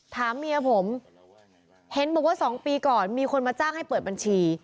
ถามเมียผมเห็นบอกว่า๒ปีก่อนมีคนมาจ้างให้เปิดบัญชี